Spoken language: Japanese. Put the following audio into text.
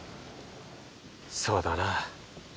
そうだな。